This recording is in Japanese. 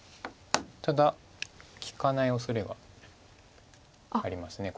ただ利かないおそれがあります